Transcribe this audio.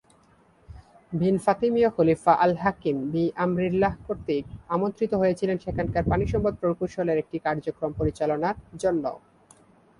তিনি ফাতিমীয় খলিফা আল হাকিম বি-আমরিল্লাহ কর্তৃক আমন্ত্রিত হয়েছিলেন সেখানকার পানিসম্পদ প্রকৌশল এর একটি কার্যক্রম পরিচালনার জন্য।